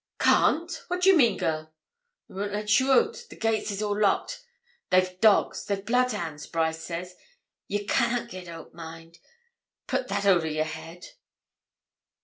'Can't. What do you mean, girl?' 'They won't let ye oot. The gates is all locked. They've dogs they've bloodhounds, Brice says. Ye can't git oot, mind; put that oot o' your head.